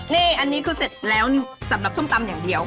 นี่อันนี้คือเสร็จแล้วสำหรับส้มตำอย่างเดียว